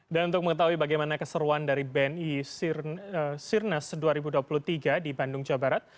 dan untuk mengetahui bagaimana keseruan dari bni sirnas dua ribu dua puluh tiga di bandung jawa barat